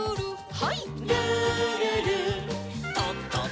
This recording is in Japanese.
はい。